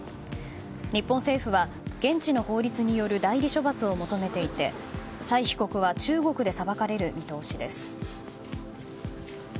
日本政府は、現地の法律による代理処罰を求めていてサイ被告は中国で裁かれる見通しです。